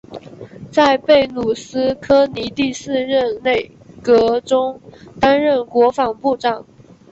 在贝鲁斯柯尼第四任内阁中担任国防部长。